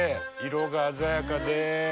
色が鮮やかで。